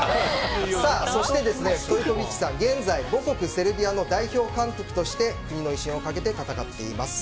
そして、ストイコヴィッチさんは現在、母国セルビアの代表監督として国の威信をかけて戦っています。